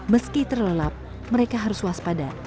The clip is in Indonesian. meski terlelap mereka harus waspada